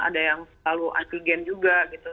ada yang selalu antigen juga gitu